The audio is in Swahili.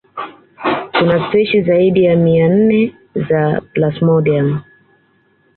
Kuna spishi zaidi ya mia nne za plasmodium